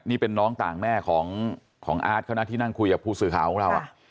นี่เป็นน้องต่างแม่ของอาร์ตเขานะที่นั่งคุยกับผู้สื่อข่าวของเรา